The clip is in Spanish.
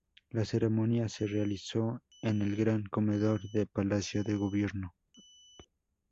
La ceremonia se realizó en el Gran Comedor de Palacio de Gobierno.